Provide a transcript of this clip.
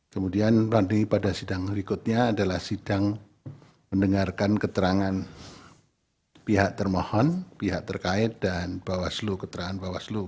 kemudian berarti pada sidang berikutnya adalah sidang mendengarkan keterangan pihak termohon pihak terkait dan bahwa selu keterangan bahwa selu